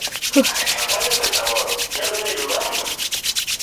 Akwanyo pesa moro , nyalo bedo mari?